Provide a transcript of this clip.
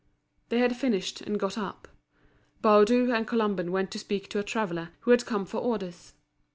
They had finished, and got up. Baudu and Colomban went to speak to a traveller, who had come for orders.